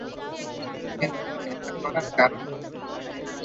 কিন্তু এটা করার কারণ কী?